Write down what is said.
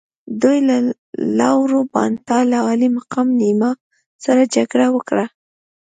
دوی له لاور بانتا له عالي مقام نیاما سره جګړه وکړه.